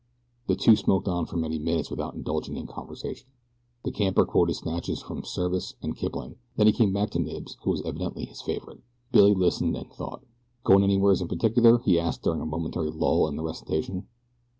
The two smoked on for many minutes without indulging in conversation. The camper quoted snatches from Service and Kipling, then he came back to Knibbs, who was evidently his favorite. Billy listened and thought. "Goin' anywheres in particular?" he asked during a momentary lull in the recitation.